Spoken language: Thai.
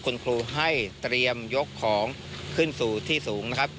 คุณครูให้เตรียมยกของขึ้นสู่ที่สูงนะครับ